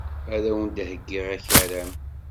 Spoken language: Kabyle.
Ad awen-d-heyyiɣ akaram.